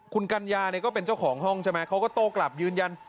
คุณกัญญาเนี่ยก็เป็นเจ้าของห้องใช่ไหมเขาก็โต้กลับยืนยัน